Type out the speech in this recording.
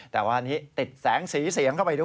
แต่ว่าอันนี้ติดแสงสีเสียงเข้าไปด้วย